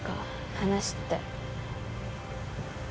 話って。